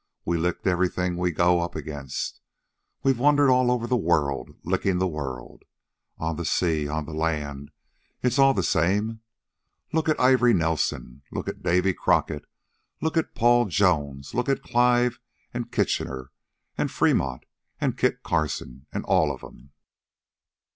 We lick everything we go up against. We've wandered all over the world, licking the world. On the sea, on the land, it's all the same. Look at Ivory Nelson, look at Davy Crockett, look at Paul Jones, look at Clive, an' Kitchener, an' Fremont, an' Kit Carson, an' all of 'em."